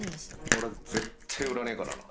俺絶対売らねえからな！